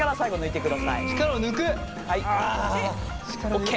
ＯＫ。